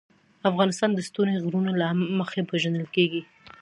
افغانستان د ستوني غرونه له مخې پېژندل کېږي.